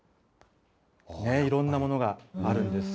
いろんなものがあるんです。